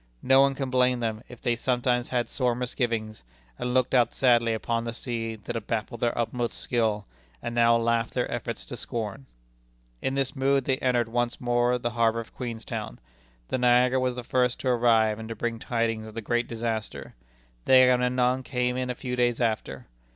No one can blame them if they sometimes had sore misgivings, and looked out sadly upon the sea that had baffled their utmost skill, and now laughed their efforts to scorn. In this mood they entered once more the harbor of Queenstown. The Niagara was the first to arrive and to bring tidings of the great disaster. The Agamemnon came in a few days after.